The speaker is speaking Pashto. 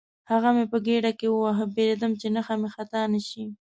هغه مې په ګېډه کې وواهه، وېرېدم چې نښه مې خطا نه شي.